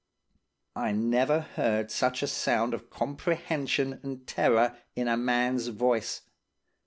"I never heard such a sound of comprehension and terror in a man's voice.